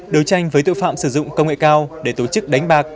đấu tranh với tội phạm sử dụng công nghệ cao để tổ chức đánh bạc